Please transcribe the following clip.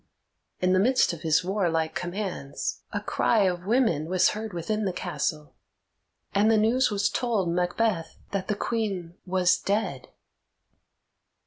In the midst of his warlike commands, a cry of women was heard within the castle, and the news was told Macbeth that the Queen was dead.